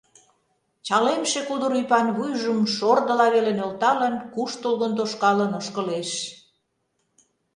Чалемше кудыр ӱпан вуйжым шордыла веле нӧлталын, куштылгын тошкалын ошкылеш.